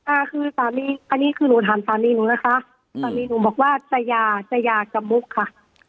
อ่าคือสามีอันนี้คือหนูถามสามีหนูนะคะสามีหนูบอกว่าจะยาจะยากับมุกค่ะ